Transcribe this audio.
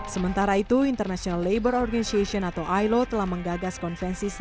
sementara itu international labour organization atau ailo telah menggagas konvensi satu ratus delapan puluh delapan